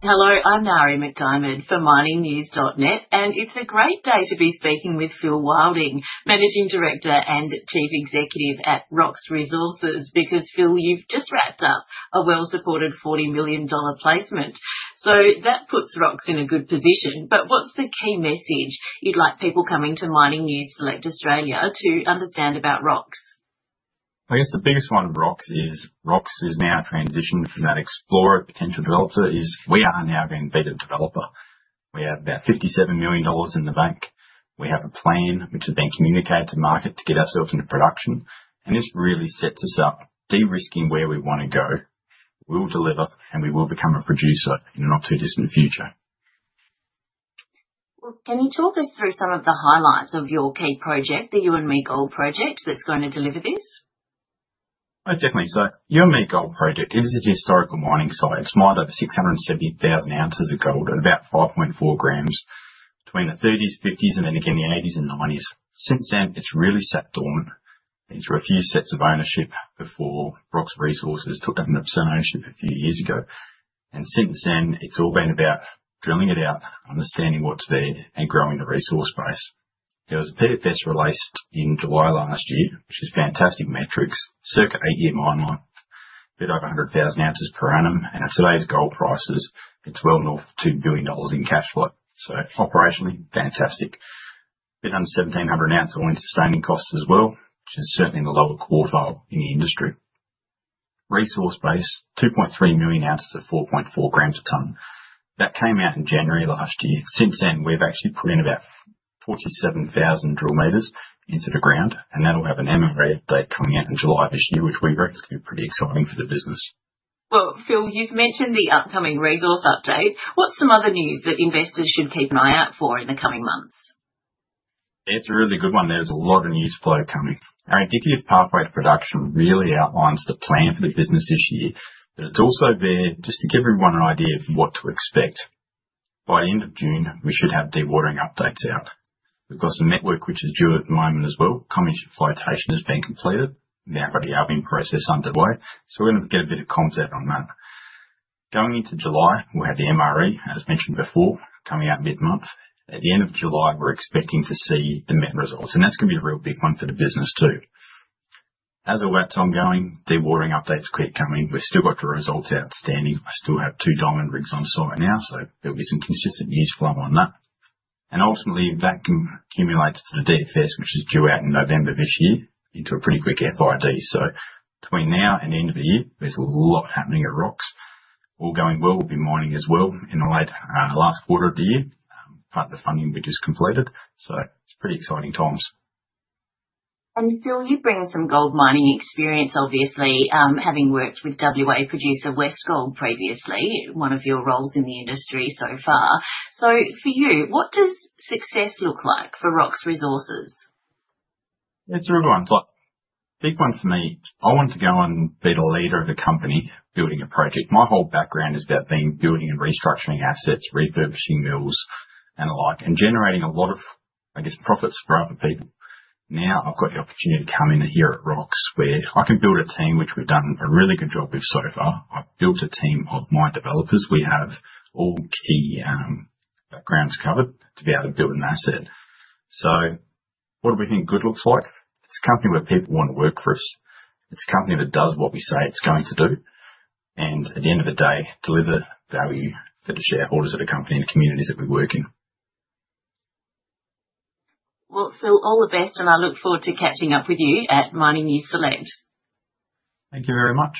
Hello, I'm Ngaire McDiarmid for MiningNews.net. It's a great day to be speaking with Phil Wilding, Managing Director and Chief Executive at Rox Resources. Phil, you've just wrapped up a well-supported 40 million dollar placement. That puts Rox in a good position, what's the key message you'd like people coming to MiningNews Select Australia to understand about Rox? I guess the biggest one of Rox is Rox has now transitioned from that explorer potential developer is we are now being a better developer. We have about 57 million dollars in the bank. We have a plan which has been communicated to market to get ourselves into production. This really sets us up de-risking where we want to go. We will deliver, we will become a producer in the not-too-distant future. Well, can you talk us through some of the highlights of your key project, the Youanmi Gold project, that's going to deliver this? Definitely. Youanmi Gold project, it is a historical mining site. It's mined over 670,000 ounces of gold at about 5.4 grams between the 1930s, 1950s, and then again the 1980s and 1990s. Since then, it's really sat dormant. Been through a few sets of ownership before Rox Resources took up an option ownership a few years ago. Since then it's all been about drilling it out, understanding what's there, and growing the resource base. There was a PFS released in July last year, which is fantastic metrics, circa eight-year mine life, a bit over 100,000 ounces per annum, and at today's gold prices it's well north of 2 billion dollars in cash flow. Operationally, fantastic. Bit under 1,700 ounce All-in Sustaining Costs as well, which is certainly in the lower quartile in the industry. Resource base 2.3 million ounces at 4.4 grams a ton. That came out in January 2023. Since then, we've actually put in about 47,000 drill meters into the ground, and that'll have an MRE update coming out in July 2024, which we reckon is going to be pretty exciting for the business. Well, Phil, you've mentioned the upcoming resource update. What's some other news that investors should keep an eye out for in the coming months? It's a really good one. There's a lot of news flow coming. Our indicative pathway to production really outlines the plan for the business this year, but it's also there just to give everyone an idea of what to expect. By end of June 2024, we should have dewatering updates out. We've got some met work which is due at the moment as well. Comminution flotation has been completed. Now got the oven process underway, so we're going to get a bit of comms out on that. Going into July 2024, we'll have the MRE, as mentioned before, coming out mid-month. At the end of July 2024, we're expecting to see the met results and that's going to be a real big one for the business too. As all that's ongoing, dewatering updates keep coming. We've still got the results outstanding. I still have two diamond rigs on site now, so there'll be some consistent news flow on that. Ultimately that culminates to the DFS, which is due out in November 2024 into a pretty quick FID. Between now and the end of the year, there's a lot happening at Rox. All going well, we'll be mining as well in the late last quarter of 2024. Part of the funding we just completed, so it's pretty exciting times. Phil, you bring some gold mining experience obviously, having worked with WA producer Westgold Resources previously, one of your roles in the industry so far. For you, what does success look like for Rox Resources? It's a real one. Big one for me, I want to go and be the leader of a company building a project. My whole background has been building and restructuring assets, refurbishing mills and the like, and generating a lot of, I guess, profits for other people. Now I've got the opportunity to come in here at Rox where I can build a team, which we've done a really good job with so far. I've built a team of mine developers. We have all key backgrounds covered to be able to build an asset. What do we think good looks like? It's a company where people want to work for us. It's a company that does what we say it's going to do, and at the end of the day, deliver value for the shareholders of the company and the communities that we work in. Well, Phil, all the best, I look forward to catching up with you at MiningNews Select. Thank you very much.